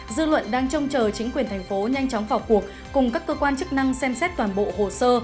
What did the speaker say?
dư luận đang trông chờ chính quyền tp hcm nhanh chóng phỏa cuộc cùng các cơ quan chức năng xem xét toàn bộ hồ sơ